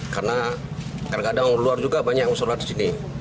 karena kadang kadang orang luar juga banyak yang sholat disini